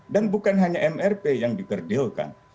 dan bukan hanya mrp yang dikerdilkan